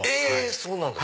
そうなんだ！